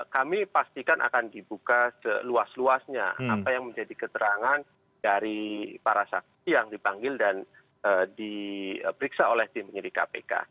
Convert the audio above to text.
kami pastikan akan dibuka seluas luasnya apa yang menjadi keterangan dari para saksi yang dipanggil dan diperiksa oleh tim penyidik kpk